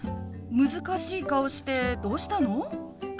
難しい顔してどうしたの？